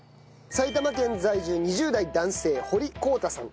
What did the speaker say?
埼玉県在住２０代男性堀航太さん。